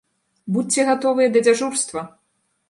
Будзьце гатовыя да дзяжурства!